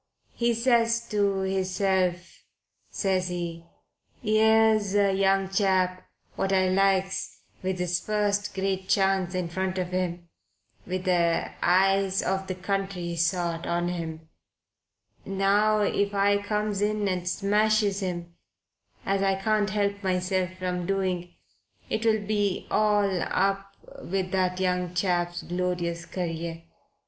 He says to hisself, says he, 'ere's a young chap what I likes with his first great chance in front of him, with the eyes of the country sot on him now if I comes in and smashes him, as I can't help myself from doing, it'll be all u p with that young chap's glorious career.